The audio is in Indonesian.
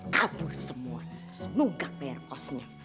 kabur semua nunggak bayar kosnya